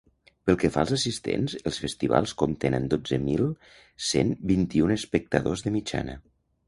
Pel que fa als assistents, els festivals compten amb dotze mil cent vint-i-un espectadors de mitjana.